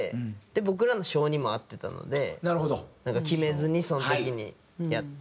僕らの性にも合ってたので決めずにその時にやって。